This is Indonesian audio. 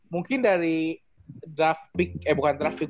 mungkin dari draft pick eh bukan draft pick